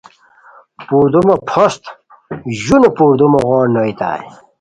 پردومو پھوست ژونو پردومو غون نوئیتائے